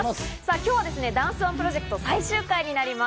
今日はダンスＯＮＥプロジェクト最終回になります。